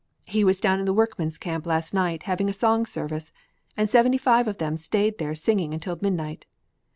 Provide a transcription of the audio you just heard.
"He was down in the workmen's camp last night having a song service and seventy five of them stayed there singing until midnight.